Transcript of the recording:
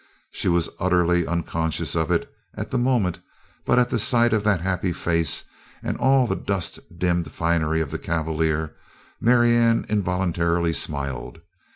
She was utterly unconscious of it at the moment but at the sight of that happy face and all the dust dimmed finery of the cavalier, Marianne involuntarily smiled.